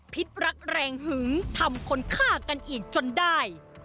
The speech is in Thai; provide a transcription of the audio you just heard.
พิษรักแรงหึงทำคนฆ่ากันอีกจนได้